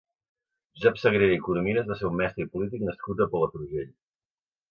Josep Sagrera i Corominas va ser un mestre i polític nascut a Palafrugell.